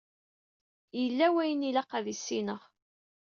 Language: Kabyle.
Yella wayen i ilaq ad s-iniɣ.